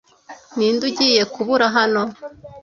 ninde ugiye kubura hano